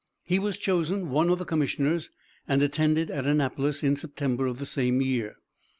He was chosen one of the commissioners, and attended at Annapolis in September of the same year.